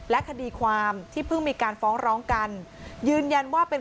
คดีความที่เพิ่งมีการฟ้องร้องกันยืนยันว่าเป็น